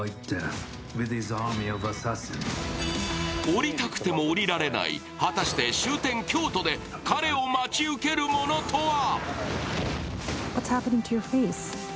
降りたくても降りられない、果たして終点・京都で彼を待ち受けるものとは？